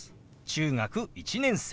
「中学１年生」。